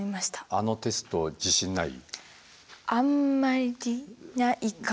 あのテスト自信ない？